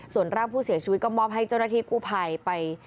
ส่วนร่างผู้เสียชีวิตก็มอบให้เจ้าหน้าที่กู้ภัยไป